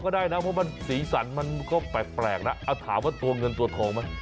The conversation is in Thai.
ก็ได้นะเพราะสีสันมันก็แปลกแล้วถามว่าเงินตัวทองไหม